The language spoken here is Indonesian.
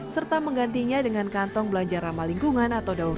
serta menggantinya dengan kantong belanja ramah lingkungan